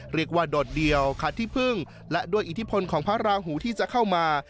โดดเดี่ยวขัดที่พึ่งและด้วยอิทธิพลของพระราหูที่จะเข้ามา